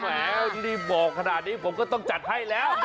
แหมรีบบอกขนาดนี้ผมก็ต้องจัดให้แล้ว